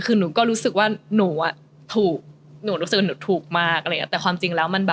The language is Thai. คือเหมือนเหรียญมันมี๒ด้านแหละค่ะ